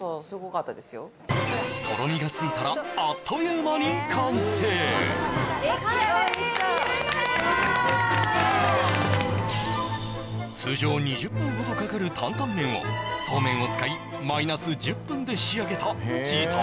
とろみがついたらあっという間に完成出来上がりおいしそう通常２０分ほどかかる坦々麺をそうめんを使い−１０分で仕上げた時短